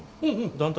団体？